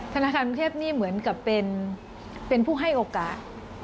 ธนาคารกรุงเทพนี่เหมือนกับเป็นผู้ให้โอกาส